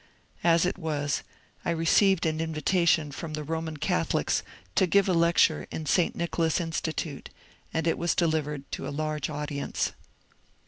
As it was, I received an invita tion from the Roman Catholics to give a lecture in St Nicho las Institute, and it was delivered to a large audience.